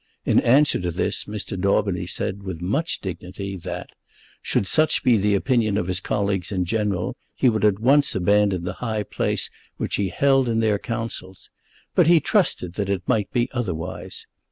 In answer to this Mr. Daubeny said with much dignity that, should such be the opinion of his colleagues in general, he would at once abandon the high place which he held in their councils. But he trusted that it might be otherwise.